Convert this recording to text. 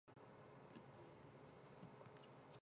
古时属荏原郡衾村。